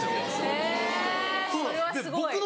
へぇそれはすごい。